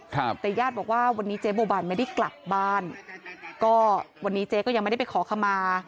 ครับแต่ญาติบอกว่าวันนี้เจ๊บัวบานไม่ได้กลับบ้านก็วันนี้เจ๊ก็ยังไม่ได้ไปขอขมา